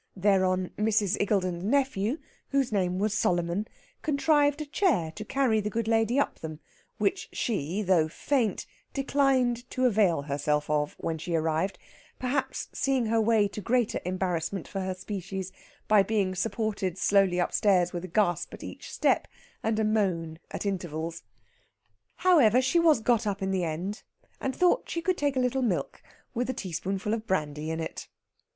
Thereon Mrs. Iggulden's nephew, whose name was Solomon, contrived a chair to carry the good lady up them; which she, though faint, declined to avail herself of when she arrived, perhaps seeing her way to greater embarrassment for her species by being supported slowly upstairs with a gasp at each step, and a moan at intervals. However, she was got up in the end, and thought she could take a little milk with a teaspoonful of brandy in it.